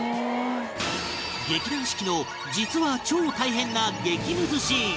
劇団四季の実は超大変な激ムズシーン